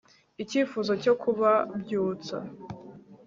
icyifuzo cyo kubabyutsa